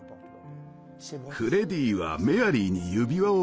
フレディはメアリーに指輪を贈り